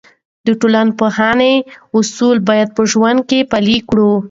د ټولنپوهنې اصول باید په ژوند کې پلي کړو.